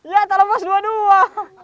ya tak lepas dua dua